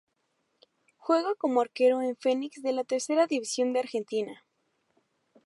Juega como Arquero en Fenix de la Tercera División de Argentina.